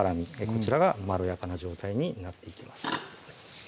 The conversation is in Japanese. こちらがまろやかな状態になっていきます